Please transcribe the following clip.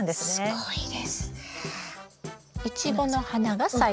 すごいですね。